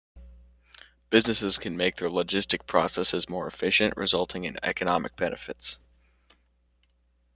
Businesses can make their logistic processes more efficient, resulting in economic benefits.